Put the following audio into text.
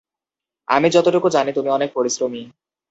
আমি যতটুকু জানি, তুমি অনেক পরিশ্রমী।